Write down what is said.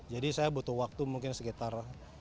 jadi saya butuh waktu mungkin sekitar